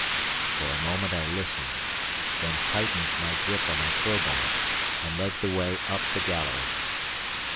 For a moment I listened, then tightened my grip on my crowbar, and led the way up the gallery.